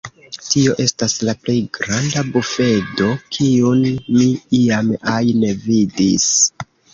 Tio estas la plej granda bufedo kiun mi iam ajn vidis.